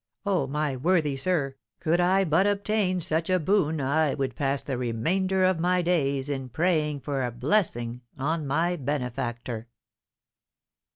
Oh, my worthy sir, could I but obtain such a boon I would pass the remainder of my days in praying for a blessing on my benefactor."